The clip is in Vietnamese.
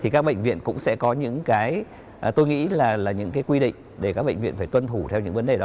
các bệnh viện cũng sẽ có những quy định để các bệnh viện phải tuân thủ theo những vấn đề đó